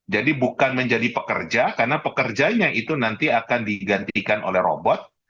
jadi bukan menjadi pekerja karena pekerjanya itu nanti akan digantikan oleh robot